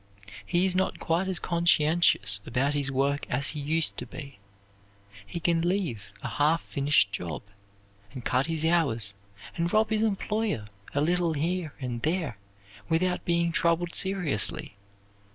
He is not quite as conscientious about his work as he used to be. He can leave a half finished job, and cut his hours and rob his employer a little here and there without being troubled seriously.